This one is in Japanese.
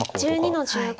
白１２の十五。